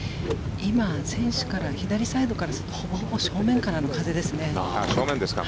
今、選手から左サイドからするとほぼほぼ正面からの風ですね。